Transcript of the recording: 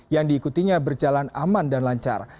yang diikutinya berjalan aman dan lancar